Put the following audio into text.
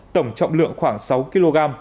tổng trọng lượng khoảng sáu kg